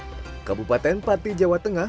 di kabupaten pati jawa tengah